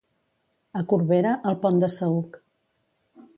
A Corbera, el pont de saüc.